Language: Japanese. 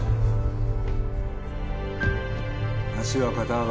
足は肩幅。